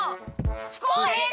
不公平だ！